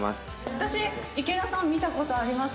私池田さん見た事あります